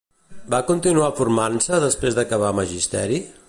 Va continuar formant-se després d'acabar Magisteri?